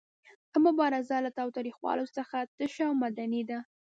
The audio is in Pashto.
دا مبارزه له تاوتریخوالي څخه تشه او مدني ده.